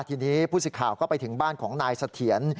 ทีนี้ผู้สิทธิ์ข่าวก็ไปถึงบ้านของนายเสถียร